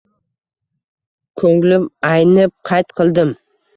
Ko`nglim aynib, qayt qildim